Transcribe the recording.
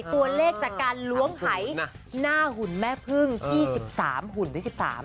ตัวเลขจากการล้วงหายหน้าหุ่นแม่พึ่งที่๑๓หุ่นที่๑๓